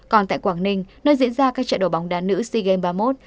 còn tại quảng ninh nơi diễn ra các trại đấu bóng đá nữ sea games ba mươi một